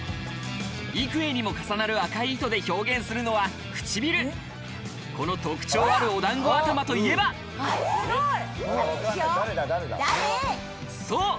幾重にも重なる赤い糸で表現するのは唇この特徴あるお団子頭といえばウソでしょ⁉そう！